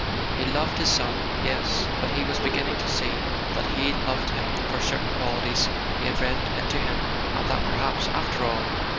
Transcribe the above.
He loved his son: yes—but he was beginning to see that he loved him for certain qualities he had read into him, and that perhaps after all